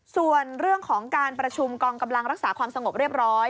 ส่วนเรื่องของการประชุมกองกำลังรักษาความสงบเรียบร้อย